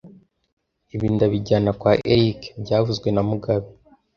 Ibi ndabijyana kwa Eric byavuzwe na mugabe